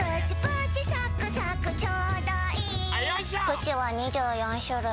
プチは２４種類。